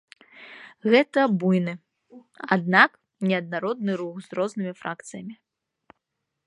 Гэта буйны, аднак неаднародны рух з рознымі фракцыямі.